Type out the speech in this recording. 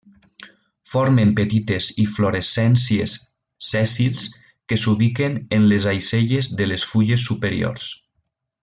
Formen petites inflorescències, sèssils, que s'ubiquen en les aixelles de les fulles superiors.